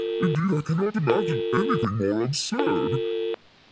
Indeed, I can not imagine anything more absurd."